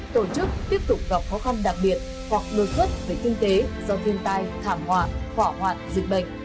tổ chức tiếp tục gặp khó khăn đặc biệt hoặc đối xuất với kinh tế do thiên tai thảm họa khỏa hoạn dịch bệnh